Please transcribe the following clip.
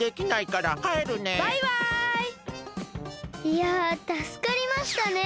いやたすかりましたね。